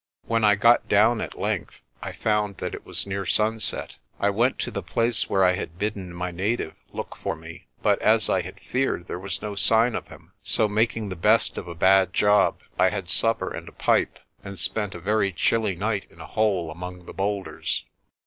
When I got down at length, I found that it was near sunset. I went to the place where I had bidden my native look for me but, as I had feared, there was no sign of him. So, making the best of a bad job, I had supper and a pipe, and spent a very chilly night in a hole among the boulders.